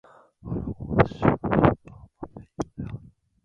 アラゴアス州の州都はマセイオである